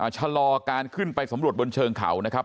ชะลอการขึ้นไปสำรวจบนเชิงเขานะครับ